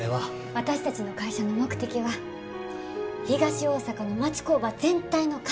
私たちの会社の目的は東大阪の町工場全体の活性化です。